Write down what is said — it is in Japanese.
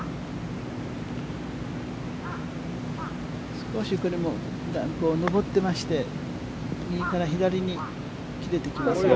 少し、これも段を上っていまして、右から左に切れてきますよ。